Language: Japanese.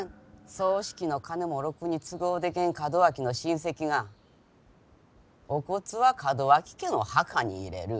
葬式の金もろくに都合できへん門脇の親戚が「お骨は門脇家の墓に入れる」？